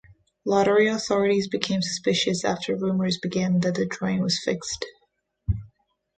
Lottery authorities became suspicious after rumors began that the drawing was fixed.